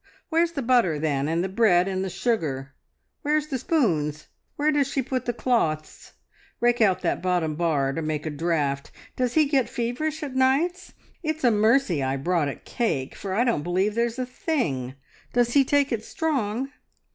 Where's the butter then, and the bread, and the sugar? Where's the spoons? Where does she put the cloths? Rake out that bottom bar to make a draught. Does he get feverish at nights? It's a mercy I brought a cake, for I don't believe there's a thing. Does he take it strong?"